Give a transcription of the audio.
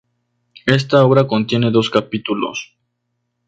Esta obra contiene dos capítulos.